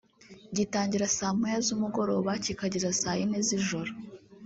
gitangira saa moya z’umugoroba kikageza saa ine z’ijoro